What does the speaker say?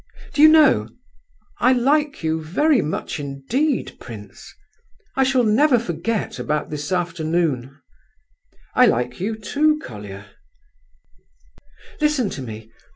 "Do you know, I like you very much indeed, prince? I shall never forget about this afternoon." "I like you too, Colia." "Listen to me!